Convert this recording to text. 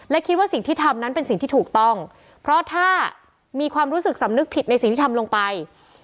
และคิดว่าสิ่งที่ทำนั้นเป็นสิ่งที่ถูกต้องเพราะถ้ามีความรู้สึกสำนึกผิดในสิ่งที่ทำลงไป